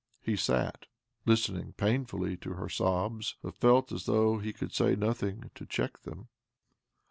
He sat listening painfully to her sobs, but felt as though he could say nothing to check them.